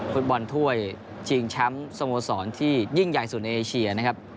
ฟุตบอลถ้วยชิงแชมป์สโมสรที่ยิ่งใหญ่สุดในเอเชียนะครับ